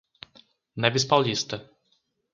Neves Paulista